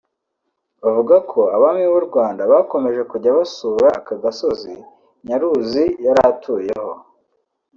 bavuga ko abami b’u Rwanda bakomeje kujya basura aka gasozi Nyaruzi yari atuyeho